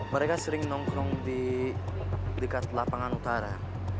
mereka sering nongkrong di dekat lapangan utara